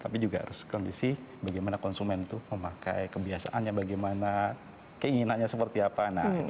tapi juga harus kondisi bagaimana konsumen itu memakai kebiasaannya bagaimana keinginannya seperti apa